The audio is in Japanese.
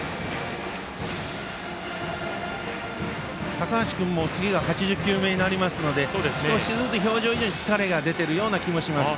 高橋君も８０球目になりますので少しずつ表情以上に疲れが出ているような気がします。